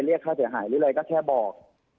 เรียกค่าเสียหายหรืออะไรก็แค่บอก